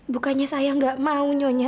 bukannya saya nggak mau nyonya